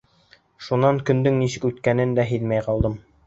Шулай, көндөң нисек үткәнен дә һиҙмәй ҡалам.